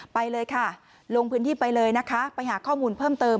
ไปเลยค่ะลงพื้นที่ไปเลยนะคะไปหาข้อมูลเพิ่มเติม